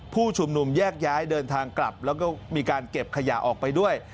ผู้ชุมนุมแยกย้ายเดินทางกลับแล้วก็มีการเก็บขยะออกไปด้วย